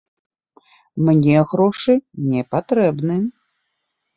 Мне грошы не патрэбны.